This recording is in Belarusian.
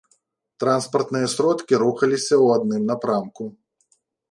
Транспартныя сродкі рухаліся ў адным напрамку.